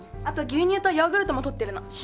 あと牛乳とヨーグルトも取ってるの。